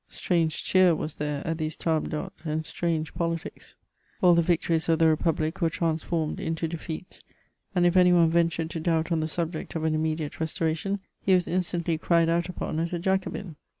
Strange cheer was there at these tables d'h6te, and strange polities ! All the victories of the republic were transformed into defeats, and if any one ven tured to dovibt on the subject of an immediate Restoration, he was instantly cried out upon as a Jacobin.